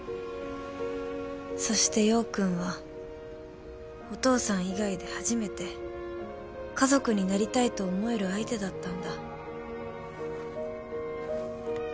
そして陽君はお父さん以外で初めて家族になりたいと思える相手だったんだ